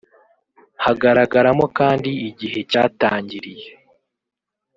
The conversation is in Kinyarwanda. hagaragaramo kandi igihe cyatangiriye